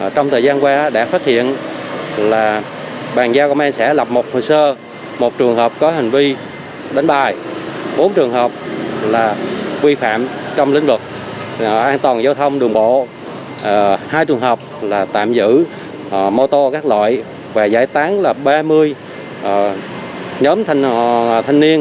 trong thời gian qua đã phát hiện là bàn giao công an sẽ lập một hồ sơ một trường hợp có hành vi đánh bài bốn trường hợp là vi phạm trong lĩnh vực an toàn giao thông đường bộ hai trường hợp là tạm giữ mô tô các loại và giải tán là ba mươi nhóm thanh niên